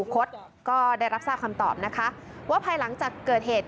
คดก็ได้รับทราบคำตอบนะคะว่าภายหลังจากเกิดเหตุ